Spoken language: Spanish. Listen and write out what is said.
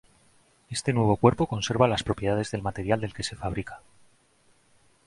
Este nuevo cuerpo conserva las propiedades del material del que se fabrica.